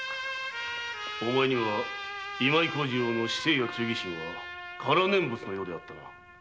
お前には今井幸次郎の至誠も忠義心も空念仏のようであったな。